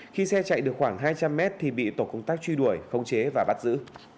khi xe chạy được khoảng hai trăm linh mét thì bị tổ công tác truy đuổi khống chế và bắt giữ